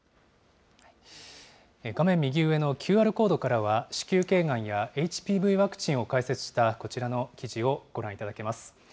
画面右上のＱＲコードからは、子宮けいがんやＨＰＶワクチンを解説したこちらの記事をご覧いただけます。